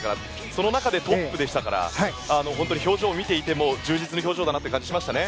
その中でトップでしたから本当に表情を見ていても充実の表情だなという感じがしましたね。